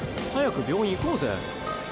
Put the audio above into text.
早く病院行こうぜ。